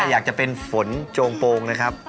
อยากจะเป็นฝนโจงโปรงนะครับ